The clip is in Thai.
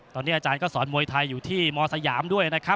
ตอนนี้อาจารย์ก็สอนมวยไทยอยู่ที่มสยด้วย